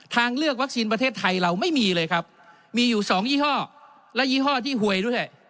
ทางเลือกวัคซีนประเทศไทยเราไม่มีเลยครับมีอยู่สองยี่ห้อและยี่ห้อที่หวยด้วย